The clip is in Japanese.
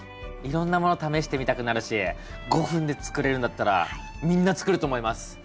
いろんなもの試してみたくなるし５分で作れるんだったらみんな作ると思います。